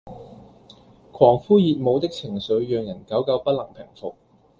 狂呼熱舞的情緒讓人久久不能平伏